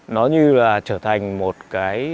nó như là trở thành một cái